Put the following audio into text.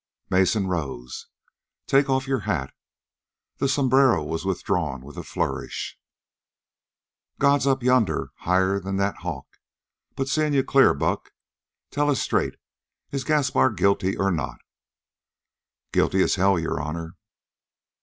Mason rose. "Take off your hat." The sombrero was withdrawn with a flourish. "God's up yonder higher'n that hawk, but seeing you clear, Buck. Tell us straight. Is Gaspar guilty or not?" "Guilty as hell, your honor!"